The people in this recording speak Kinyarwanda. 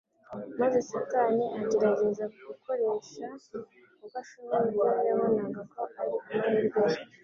maze Satani agerageza gukoresha uko ashoboye ibyo yabonaga ko ari amahirwe ye.